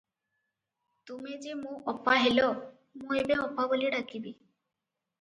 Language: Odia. ତୁମେ ଯେ ମୋ ଅପା ହେଲ, ମୁଁ ଏବେ ଅପା ବୋଲି ଡାକିବି ।